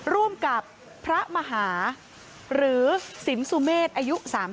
ร่วมกับพระมหาหรือสินสุเมษอายุ๓๐